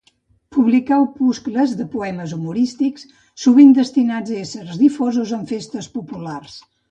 Publicà opuscles de poemes humorístics, sovint destinats a ésser difosos en festes populars.